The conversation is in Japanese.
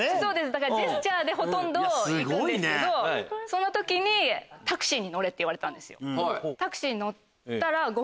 だからジェスチャーでほとんど行くんですけどその時にタクシーに乗れって言われたんですよ。